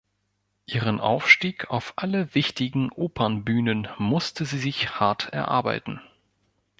Ihren Aufstieg auf alle wichtigen Opernbühnen musste sie sich hart erarbeiten.